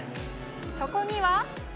そこには。